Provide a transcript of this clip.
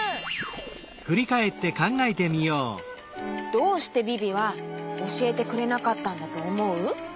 どうしてビビはおしえてくれなかったんだとおもう？